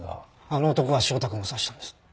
あの男が汐田君を刺したんです。